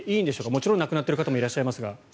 もちろん亡くなっている方もいらっしゃいますが。